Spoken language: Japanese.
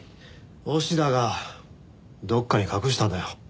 押田がどこかに隠したんだよ。